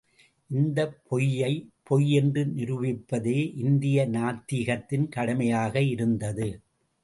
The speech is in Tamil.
இந்தப் பொய்யை, பொய் என்று நிரூபிப்பதே இந்திய நாத்திகத்தின் கடமையாக இருந்தது.